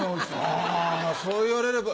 あそう言われれば。